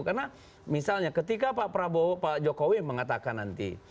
karena misalnya ketika pak jokowi mengatakan nanti